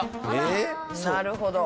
なるほど。